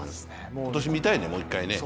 今年、見たいね、もう１回ね。